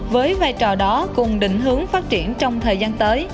với vai trò đó cùng định hướng phát triển trong thời gian tới